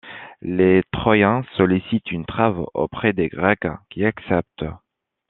Les Troyens sollicitent une trêve auprès des Grecs qui acceptent.